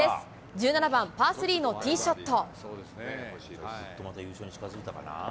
１７番パー３のティーショット。